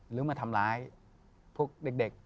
หรือมาทำร้ายพวกเด็ก